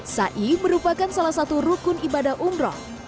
sai merupakan salah satu rukun ibadah umroh